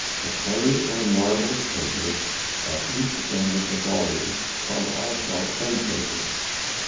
—The coloured or marbled paper at each end of the volume. Called also end papers.